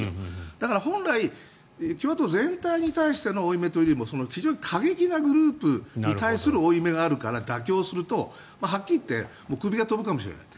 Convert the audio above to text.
だから、本来共和党全体に対しての負い目というよりも非常に過激なグループに対する負い目があるから妥協すると、はっきり言ってクビが飛ぶかもしれない。